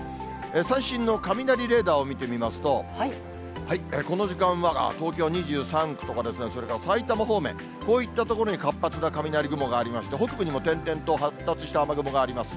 最新の雷レーダーを見てみますと、この時間は東京２３区とかですね、それから埼玉方面、こういった所に活発な雷雲がありまして、北部にも点々と発達した雨雲があります。